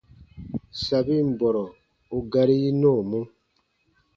Sabin bɔrɔ u gari yi nɔɔmɔ.